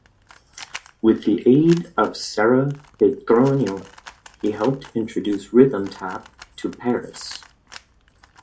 With the aid of Sarah Petronio, he helped introduce rhythm tap to Paris.